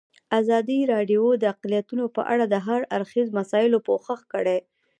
ازادي راډیو د اقلیتونه په اړه د هر اړخیزو مسایلو پوښښ کړی.